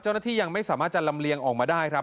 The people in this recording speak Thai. เจ้าหน้าที่ยังไม่สามารถจะลำเลียงออกมาได้ครับ